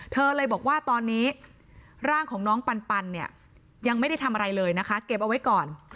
เธอเลยบอกว่าตอนนี้ร่างของน้องปันเนี่ยยังไม่ได้ทำอะไรเลยนะคะเก็บเอาไว้ก่อน